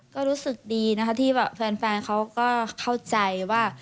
ก็รู้สึกดีนะคะที่แบบแฟนเขาก็เข้าใจว่า